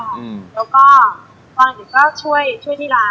แล้วก็ตอนเด็กก็ช่วยที่ร้านช่วยที่บ้านนะคะ